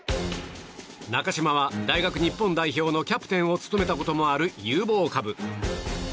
中島は大学日本代表のキャプテンを務めたこともある有望株。